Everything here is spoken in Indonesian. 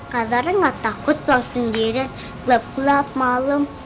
kak zara enggak takut pulang sendirian gelap gelap malem